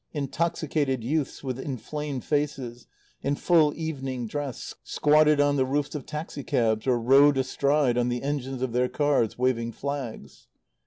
Intoxicated youths with inflamed faces, in full evening dress, squatted on the roofs of taxi cabs or rode astride on the engines of their cars, waving flags.